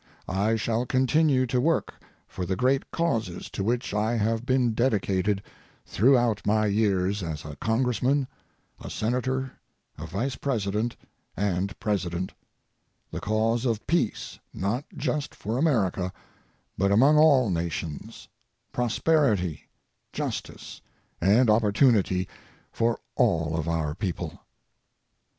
I shall continue to work for the great causes to which I have been dedicated throughout my years as a Congressman, a Senator, a Vice President, and President, the cause of peace not just for America but among all nations, prosperity, justice, and opportunity for all of our people.